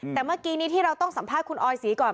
แต่เมื่อกี้นี้ที่เราต้องสัมภาษณ์คุณออยศรีก่อน